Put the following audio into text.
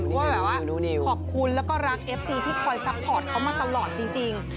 เพราะว่าแบบว่าขอบคุณแล้วก็รักเอฟซีที่คอยซัพพอร์ตเขามาตลอดจริง